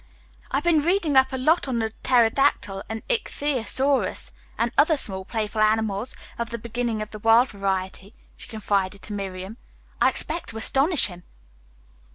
"I have been reading up a lot on the pterodactyl and ichthyosaurus and other small, playful animals of the beginning of the world variety," she confided to Miriam. "I expect to astonish him."